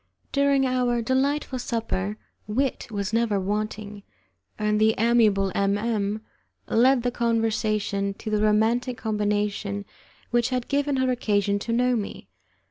During our delightful supper wit was never wanting, and the amiable M M led the conversation to the romantic combination which had given her occasion to know me.